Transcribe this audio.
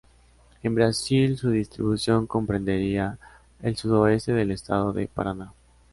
En Brasil su distribución comprendería el sudoeste del estado de Paraná.